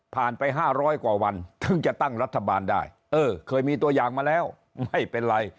ไป๕๐๐กว่าวันถึงจะตั้งรัฐบาลได้เออเคยมีตัวอย่างมาแล้วไม่เป็นไร